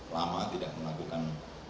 lama tidak melakukan